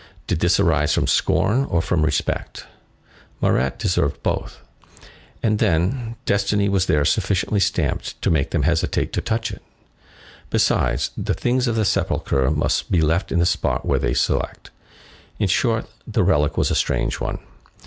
Did this arise from scorn or from respect? Marat deserved both. And then, destiny was there sufficiently stamped to make them hesitate to touch it. Besides, the things of the sepulchre must be left in the spot which they select. In short, the relic was a strange one.